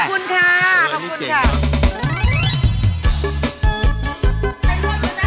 แม่ขอบคุณค่ะ